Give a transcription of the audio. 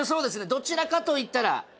どちらかといったら？